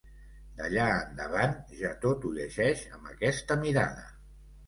D'allà endavant, ja tot ho llegeix amb aquesta mirada.